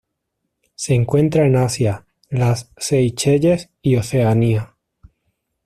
Se encuentra en Asia, las Seychelles y Oceanía.